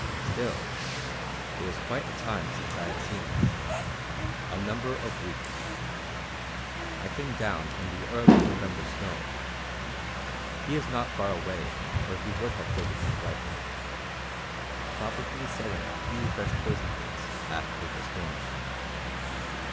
"Still, it is quite a time since I have seen him a number of weeks. I came down in the early November snow. He is not far away or he would have taken his rifle. Probably setting a few fresh poison baits after the storm."